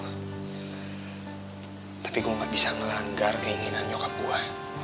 hai tapi gue enggak bisa melanggar keinginan nyokap gua